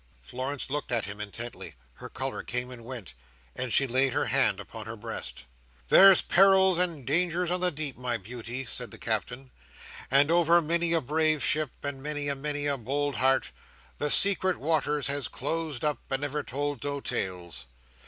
Florence looked at him intently; her colour came and went; and she laid her hand upon her breast. "There's perils and dangers on the deep, my beauty," said the Captain; "and over many a brave ship, and many and many a bould heart, the secret waters has closed up, and never told no tales.